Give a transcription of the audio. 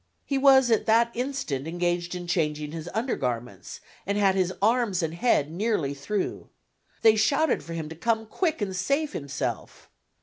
He was at that instant engaged in changing his undergarments, and had his arms and head nearly through. They shouted for him to come quick and save himself.